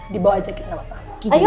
dibawa aja ke nggak apa apa